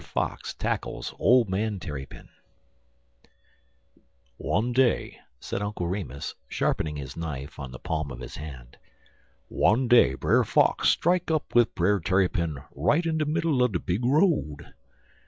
FOX TACKLES OLD MAN TARRYPIN "ONE day," said Uncle Remus, sharpening his knife on the palm of his hand "one day Brer Fox strike up wid Brer Tarrypin right in de middle er de big road.